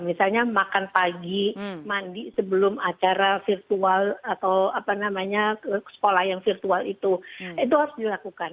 misalnya makan pagi mandi sebelum acara virtual atau apa namanya sekolah yang virtual itu itu harus dilakukan